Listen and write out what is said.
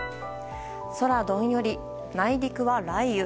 空どんより、内陸は雷雨。